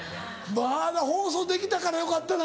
まだ放送できたからよかったな。